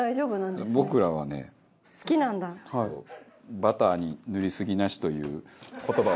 「バターに塗りすぎなし」という言葉を。